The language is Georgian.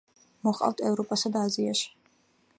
მოჰყავთ ევროპასა და აზიაში.